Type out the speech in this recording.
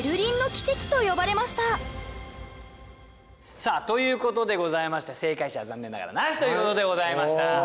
さあということでございまして正解者は残念ながらなしということでございました。